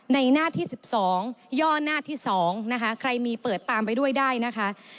ในหน้าที่๑๒ย่อหน้าที่๒นะคะใครมีเปิดตามไปด้วยได้นะคะ